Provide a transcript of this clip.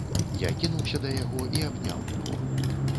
Я кінуўся да яго і абняў яго.